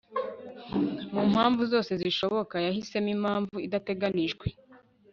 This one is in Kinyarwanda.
mu mpamvu zose zishoboka, yahisemo imwe idateganijwe